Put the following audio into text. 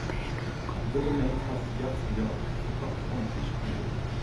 De gemeente hat it jachtrjocht ferkocht oan it Fryske Gea.